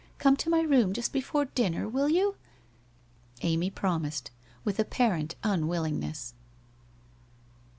Come to my room just before dinner, will you ?' Amy promised, with apparent unwillingness.